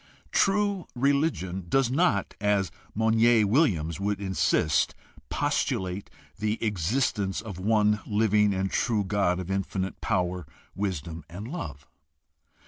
True religion does not, as Monier Williams would insist, postulate the existence of one living and true God of infinite power, wisdom, and love.